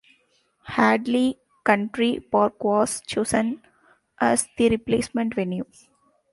Hadleigh Country Park was chosen as the replacement venue.